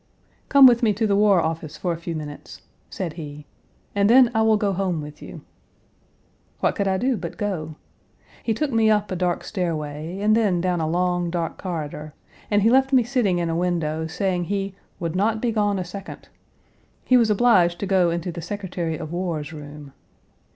"Come with me to the War Office for a few minutes," said he, "and then I will go home with you." What could I do but go? He took me up a dark stairway, and then down a long, dark corridor, and he left me sitting in a window, saying he "would not be gone a second"; he was obliged to go into the Secretary of War's room.